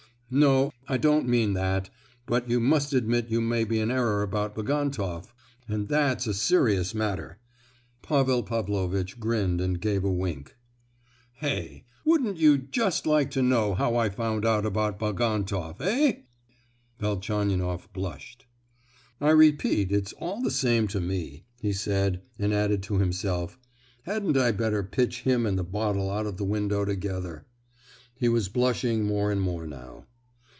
"No, I don't mean that; but you must admit you may be in error about Bagantoff; and that's a serious matter!" Pavel Pavlovitch grinned and gave a wink. "Hey! Wouldn't you just like to know how I found out about Bagantoff, eh?" Velchaninoff blushed. "I repeat, it's all the same to me," he said; and added to himself, "Hadn't I better pitch him and the bottle out of the window together." He was blushing more and more now.